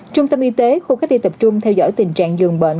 trung tâm y tế khu cách ly tập trung theo dõi tình trạng dường bệnh